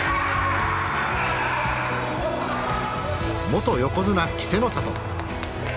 元横綱稀勢の里。